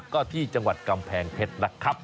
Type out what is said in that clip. ก็ที่จังหวัดกำแพงเพชรนะครับ